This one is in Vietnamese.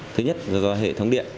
thứ nhất là do hệ thống điện